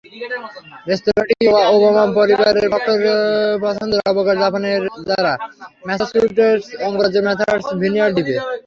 রেস্তোরাঁটি Obama পরিবারের পছন্দের অবকাশ যাপনের স্থান ম্যাসাচুসেটস অঙ্গরাজ্যের মার্থাস ভিনিয়ার্ড দ্বীপে।